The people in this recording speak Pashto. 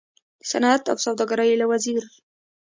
د صنعت او سوداګرۍ له وزیر